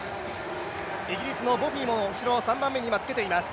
イギリスのボフィーも後ろに今、３番目につけています。